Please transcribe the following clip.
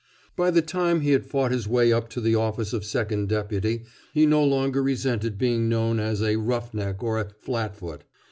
By the time he had fought his way up to the office of Second Deputy he no longer resented being known as a "rough neck" or a "flat foot."